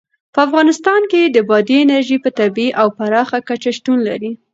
په افغانستان کې بادي انرژي په طبیعي او پراخه کچه شتون لري.